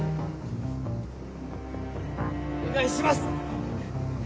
お願いします！